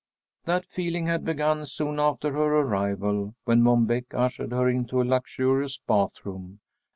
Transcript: That feeling had begun soon after her arrival, when Mom Beck ushered her into a luxurious bathroom.